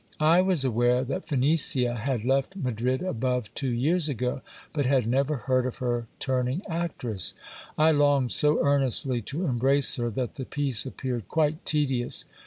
I was aware that Phenicia had left Madrid above two years ago, but had never heard of her turning actress. I longed so earnestly to embrace her, that the piece appeared quite tedious.